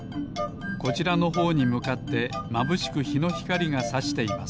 こちらのほうにむかってまぶしくひのひかりがさしています。